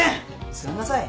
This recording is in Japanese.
座んなさい。